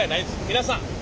皆さん